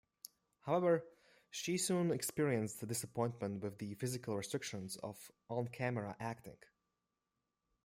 However, she soon experienced disappointment with the physical restrictions of on-camera acting.